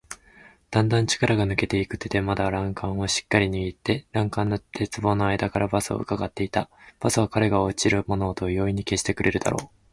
だんだん力が抜けていく手でまだ欄干をしっかりにぎって、欄干の鉄棒のあいだからバスをうかがっていた。バスは彼が落ちる物音を容易に消してくれるだろう。